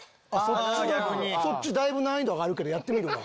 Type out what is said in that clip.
そっちだいぶ難易度上がるけどやってみるわ。